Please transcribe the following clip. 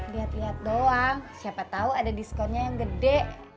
lihat lihat doang siapa tahu ada diskonnya yang gede